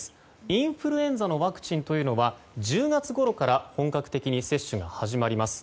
インフルエンザのワクチンというのは１０月ごろから本格的に接種が始まります。